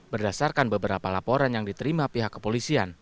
berdasarkan beberapa laporan yang diterima pihak kepolisian